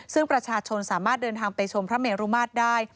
ซึ่งประชาชนสามารถเดินทางไปชมพระเมรุมาตรได้